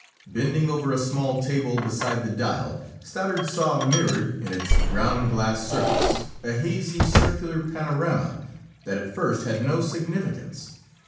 Bending over a small table beside the dial, Stoddard saw mirrored, in its ground glass surface a hazy circular panorama that at first had no significance.